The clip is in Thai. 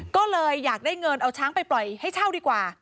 ก็เลยอยากได้เงินเอาช้างไปปล่อยให้เช่าดีกว่า